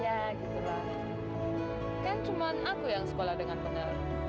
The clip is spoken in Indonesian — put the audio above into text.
ya kan cuma aku yang sekolah dengan benar